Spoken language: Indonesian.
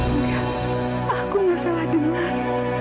enggak aku gak salah dengar